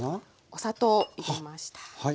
お砂糖入れました。